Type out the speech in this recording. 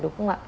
đúng không ạ